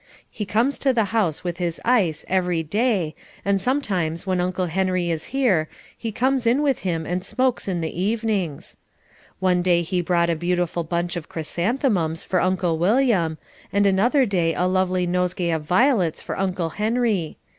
He comes to the house with his ice every day and sometimes when Uncle Henry is here he comes in with him and smokes in the evenings. One day he brought a beautiful bunch of chrysanthemums for Uncle William, and another day a lovely nosegay of violets for Uncle Henry.